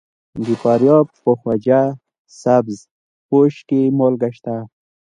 د فاریاب په خواجه سبز پوش کې مالګه شته.